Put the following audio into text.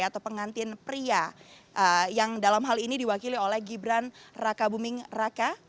atau pengantin pria yang dalam hal ini diwakili oleh gibran raka buming raka